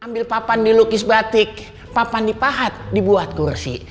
ambil papan dilukis batik papan dipahat dibuat kursi